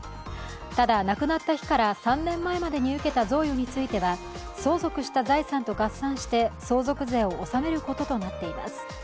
ただ亡くなった日から３年前に受けた贈与については相続した財産と合算して相続税を納めることとなっています。